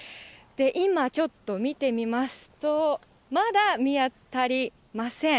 今ちょっと見てみますと、まだ見当たりません。